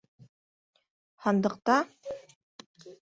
Һандыҡта...